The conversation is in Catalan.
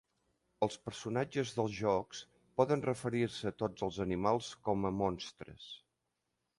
Els personatges dels jocs poden referir-se a tots els animals com a "monstres".